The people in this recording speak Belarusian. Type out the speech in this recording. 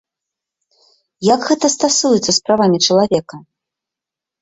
І як гэта стасуецца з правамі чалавека?